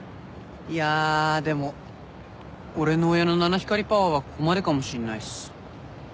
いやでも俺の親の七光りパワーはここまでかもしんないっす。